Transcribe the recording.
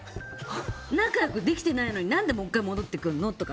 仲良くできてないのに何でもう１回戻ってくるのって。